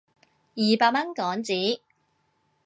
二百蚊港紙